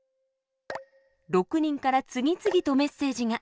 ６人から次々とメッセージが。